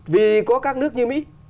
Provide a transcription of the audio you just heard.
vì có các nước như mỹ